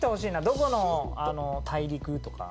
どこの大陸とか。